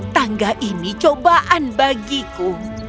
tangga ini cobaan bagiku